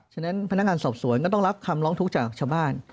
ฉะนั้นพนักงานสอบสวนก็ต้องรับคำร้องทุกข์จากชาวบ้าน